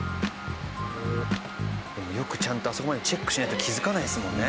でもよくちゃんとあそこまでチェックしないと気づかないですもんね。